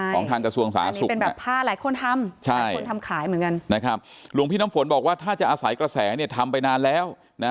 แล้วลงพี่นัมฝนบอกว่าถ้าจะอาศัยกระแสทำไปนานแล้วนะ